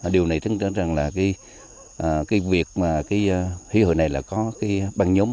điều này tính ra rằng là cái việc mà cái hủy hội này là có cái băng nhóm